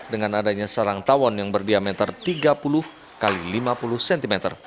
dengan adanya sarang tawon yang berdiameter tiga puluh x lima puluh cm